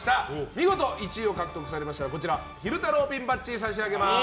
見事１位を獲得されたらこちら、昼太郎ピンバッジを差し上げます。